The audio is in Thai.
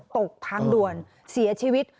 ตกทางด่วนเสียชีวิต